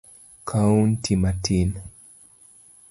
kaunti matin.